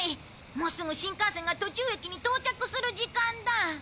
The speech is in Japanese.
もうすぐ新幹線が途中駅に到着する時間だ。